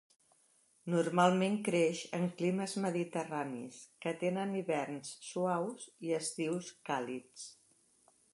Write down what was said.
Normalment creix en climes mediterranis que tenen hiverns suaus i estius càlids.